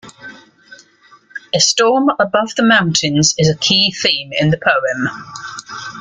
A storm above the mountains is a key theme in the poem.